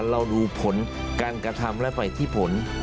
เราดูผลการกระทำและไปที่ผล